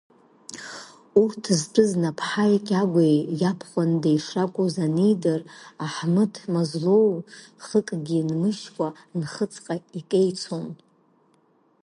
Урҭ, зтәыз наԥҳааи Кьагәа иабхәындеи шракәыз анидыр, Аҳмыҭ Мазлоу, хыкгьы нмыжькәа, Нхыҵҟа икеицон.